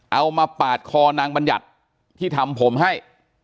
เอามาปาดคอนางบรรยัตน์ที่ทำผมให้